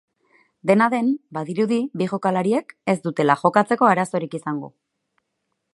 Dena den, badirudi bi jokalariek ez dutela jokatzeko arazorik izango.